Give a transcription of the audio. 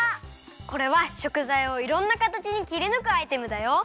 これはしょくざいをいろんなかたちにきりぬくアイテムだよ。